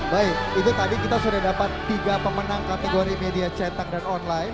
baik itu tadi kita sudah dapat tiga pemenang kategori media cetak dan online